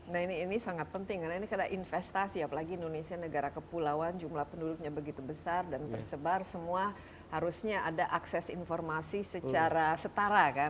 nah ini sangat penting karena ini karena investasi apalagi indonesia negara kepulauan jumlah penduduknya begitu besar dan tersebar semua harusnya ada akses informasi secara setara kan